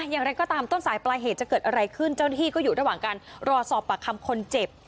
อย่างไรก็ตามต้นสายปลายเหตุจะเกิดอะไรขึ้นเจ้าหน้าที่ก็อยู่ระหว่างการรอสอบปากคำคนเจ็บ